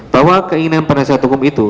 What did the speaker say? bahwa keinginan penasihat hukum itu